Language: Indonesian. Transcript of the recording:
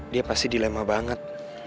dia pasti dilema banget